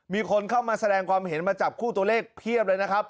มีคนเข้ามาแสดงความเห็นมาจับคู่ตัวเลขเพียบเลยนะครับ